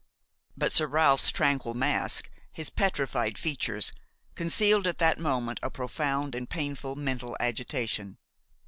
But Sir Ralph's tranquil mask, his petrified features, concealed at that moment a profound and painful mental agitation.